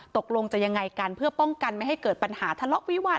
ตกลงจะยังไงกันเพื่อป้องกันไม่ให้เกิดปัญหาทะเลาะวิวาล